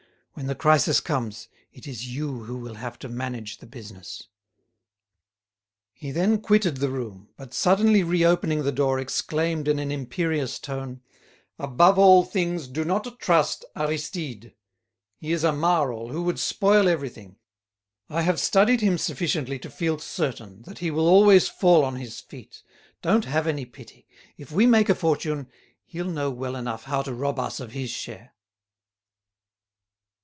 When the crisis comes, it is you who will have to manage the business." He then quitted the room, but, suddenly re opening the door, exclaimed in an imperious tone: "Above all things, do not trust Aristide; he is a mar all, who would spoil everything. I have studied him sufficiently to feel certain that he will always fall on his feet. Don't have any pity; if we make a fortune, he'll know well enough how to rob us of his share."